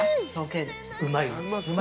うまいわ。